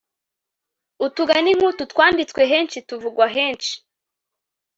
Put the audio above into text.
utugani nk'utu twanditswe henshi, tuvugwa henshi